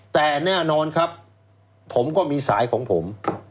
แต่แน่นอนครับผมก็มีสายของผม